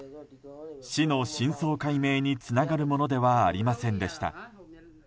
死の真相解明につながるものではありませんでした。